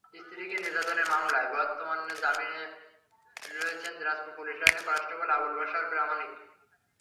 স্ত্রীকে নির্যাতনের মামলায় বর্তমানে জামিনে রয়েছেন দিনাজপুর পুলিশ লাইনের কনস্টেবল আবুল বাশার প্রামাণিক।